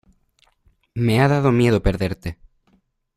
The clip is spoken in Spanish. me ha dado miedo perderte.